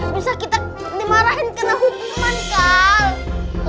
bisa kita dimarahin kena hukuman kau